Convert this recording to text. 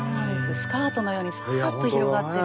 スカートのようにサーッと広がってる。